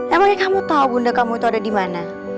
emangnya kamu tahu bunda kamu itu ada di mana